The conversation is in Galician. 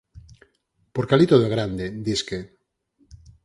Porque alí todo é grande, disque...